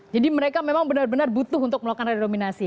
jadi mereka memang benar benar butuh untuk melakukan redenominasi